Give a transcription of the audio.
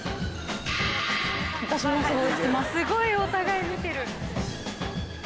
すごいお互い見てる！